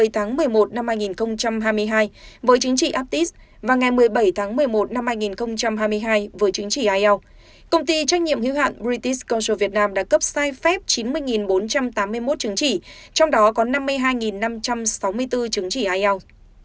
tổ chức ngày công ty trách nhiệm hiếu hoạn british cultural vietnam đã cấp sai phép chín mươi bốn trăm tám mươi một chứng chỉ trong đó có năm mươi hai năm trăm sáu mươi bốn chứng chỉ ielts